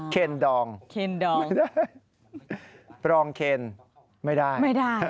เคนดองปรองเคนไม่ได้